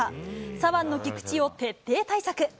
左腕の菊池を徹底対策。